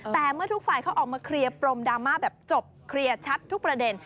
แต่เมื่อทุกฝ่ายเขาออกมาเคลียร์ปรมดราม่าแบบจบเคลียร์ชัดทุกประเด็น